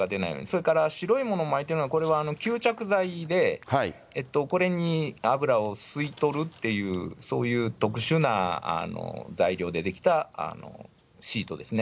それから白いものをまいてるのは、これは吸着剤で、これに油を吸い取るっていう、そういう特殊な材料で出来たシートですね。